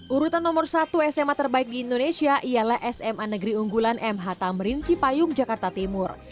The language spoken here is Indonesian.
urutan nomor satu sma terbaik di indonesia ialah sma negeri unggulan mh tamrin cipayung jakarta timur